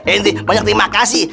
endi banyak terima kasih